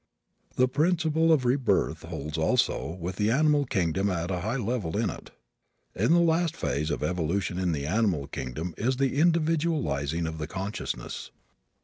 The principle of rebirth holds also with the animal kingdom at a high level in it. The last phase of evolution in the animal kingdom is the individualizing of the consciousness.